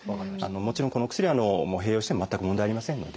もちろんこのお薬は併用しても全く問題ありませんので。